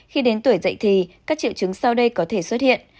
khi đến tuổi dậy thì các triệu chứng sau đây có thể xuất hiện